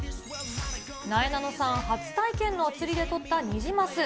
なえなのさん、初体験の釣りで取ったニジマス。